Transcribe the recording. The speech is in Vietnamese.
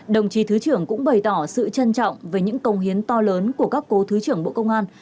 đồng chí thứ trưởng cũng bày tỏ sự trân trọng về những công hiến to lớn của các cố thứ trưởng bộ công an